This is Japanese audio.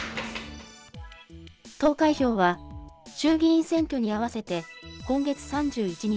投開票は衆議院選挙に合わせて、今月３１日。